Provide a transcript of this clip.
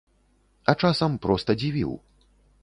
А часам проста дзівіў.